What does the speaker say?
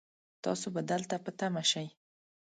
تاسو به دلته په تمه شئ